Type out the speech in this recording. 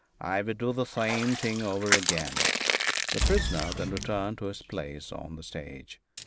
I would do the same thing over again." The prisoner then returned to his place on the stage.